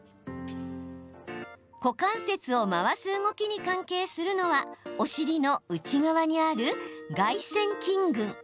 股関節を回す動きに関係するのはお尻の内側にある外旋筋群。